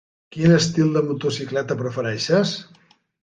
Quin estil de motocicleta prefereixes?